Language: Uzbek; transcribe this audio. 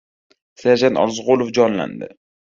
Serjant Orziqulov jonlandi.